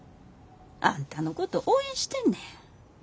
あんたのこと応援してんねん。